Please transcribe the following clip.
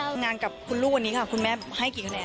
ทำงานกับคุณลูกวันนี้ค่ะคุณแม่ให้กี่คะแนน